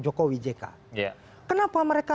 jokowi jk kenapa mereka